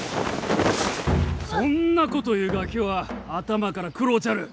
そんなこと言うガキは頭から食ろうちゃる！